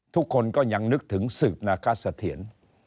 ทุกคนก็ยังนึกถึงสืบนาคสะเทียน